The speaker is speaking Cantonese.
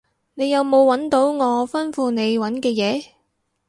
你有冇搵到我吩咐你搵嘅嘢？